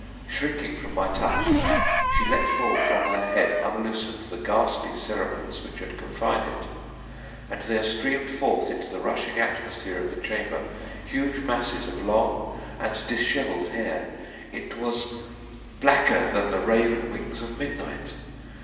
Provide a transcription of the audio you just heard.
Shrinking from my touch, she let fall from her head, unloosened, the ghastly cerements which had confined it, and there streamed forth into the rushing atmosphere of the chamber huge masses of long and disheveled hair; _it was blacker than the raven wings of midnight.